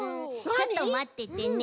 ちょっとまっててね！